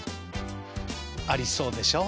ありそうでしょ？